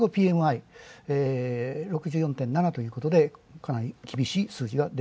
中国の数字６４．７ということでかなり厳しい数字。